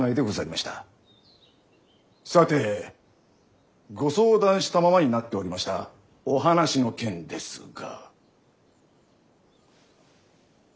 さてご相談したままになっておりましたお話の件ですが。